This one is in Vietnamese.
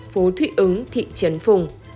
phố thụy ứng thị trấn phùng